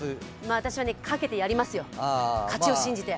私はかけてやりますよ、勝ちを信じて。